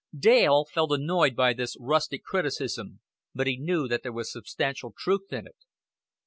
Dale felt annoyed by this rustic criticism, but he knew that there was substantial truth in it.